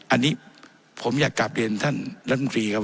อันนี้ผมอยากกลับเรียนท่านรัฐมนตรีครับ